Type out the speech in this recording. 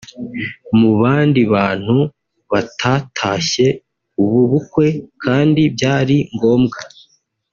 Mu bandi bantu batatashye ubu bukwe kandi byari ngombwa